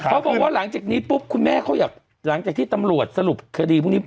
เขาบอกว่าหลังจากนี้ปุ๊บคุณแม่เขาอยากหลังจากที่ตำรวจสรุปคดีพวกนี้